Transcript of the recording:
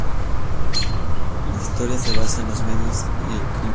La historia se basa en los medios y el crimen.